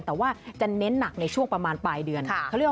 แต่ว่าจะเน้นหนักในช่วงประมาณปลายเดือน